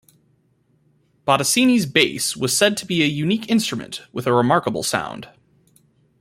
Bottesini's bass was said to be a unique instrument with a remarkable sound.